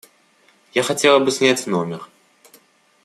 Я хотела бы снять номер.